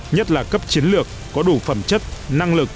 nhất là cấp chiến lược có đủ phẩm chất năng lực